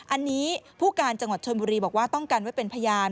อันนี้ผู้การจังหวัดชนบุรีบอกว่าต้องกันไว้เป็นพยาน